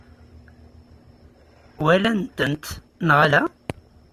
Walant-tent neɣ ala?